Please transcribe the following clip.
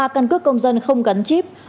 ba căn cước công dân không gắn chip